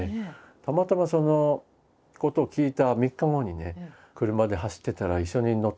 たまたまそのことを聞いた３日後にね車で走ってたら一緒に乗ってた人がね